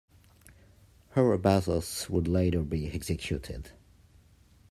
Orobazos would later be executed.